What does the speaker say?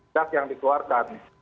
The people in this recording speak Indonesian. gas yang dikeluarkan